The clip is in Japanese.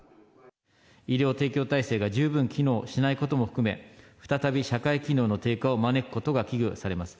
医療提供体制が十分機能しないことも含め、再び社会機能の低下を招くことが危惧されます。